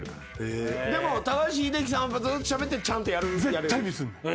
でも高橋英樹さんはずっとしゃべってちゃんとやる。